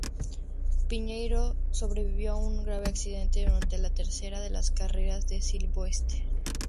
Piñeiro sobrevivió a un grave accidente durante la tercera de las carreras de Silverstone.